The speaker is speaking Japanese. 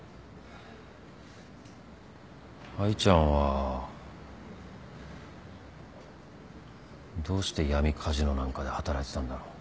愛ちゃんはどうして闇カジノなんかで働いてたんだろう。